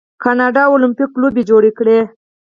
کاناډا المپیک لوبې جوړې کړي.